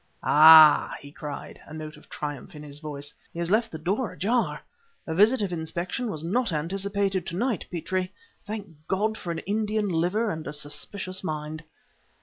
"Ah!" he cried, a note of triumph in his voice "he has left the door ajar! A visit of inspection was not anticipated to night, Petrie! Thank God for an Indian liver and a suspicious mind."